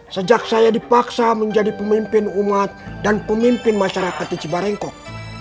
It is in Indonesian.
sejak saya dipaksa menjadi pemimpin umat dan pemimpin masyarakat di cibarengkok